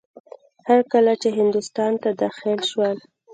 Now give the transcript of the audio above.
هر کله چې هندوستان ته داخل شول.